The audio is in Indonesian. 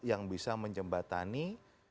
yang bisa menjembatani